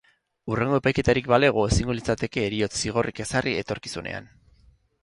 Hurrengo epaiketarik balego, ezingo litzateke heriotz zigorrik ezarri etorkizunean.